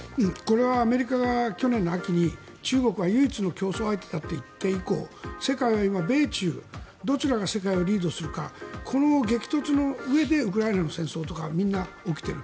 これはアメリカが去年の秋に中国は唯一の競争相手だと言って以降世界は今、米中どちらが世界をリードするかこの激突のうえでウクライナの戦争とかみんな起きている。